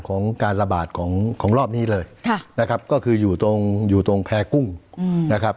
ของการระบาดของของรอบนี้เลยนะครับก็คืออยู่ตรงอยู่ตรงแพร่กุ้งนะครับ